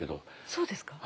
そうですか。